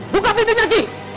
buka pintunya ki